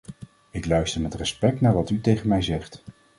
Ik luister met respect naar wat u tegen mij zegt.